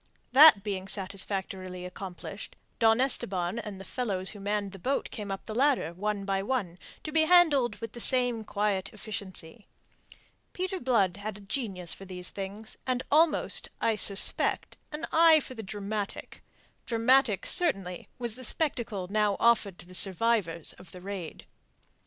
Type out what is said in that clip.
That being satisfactorily accomplished, Don Esteban and the fellows who had manned the boat came up the ladder, one by one, to be handled with the same quiet efficiency. Peter Blood had a genius for these things, and almost, I suspect, an eye for the dramatic. Dramatic, certainly, was the spectacle now offered to the survivors of the raid.